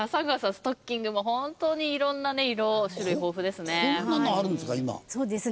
ストッキングも本当にいろんなね色種類豊富ですね。